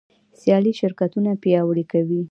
سیالي شرکتونه پیاوړي کوي.